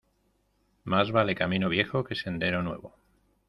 Más vale camino viejo que sendero nuevo.